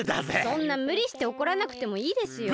そんなむりしておこらなくてもいいですよ。